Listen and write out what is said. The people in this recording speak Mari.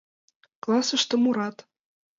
Классыште мурат: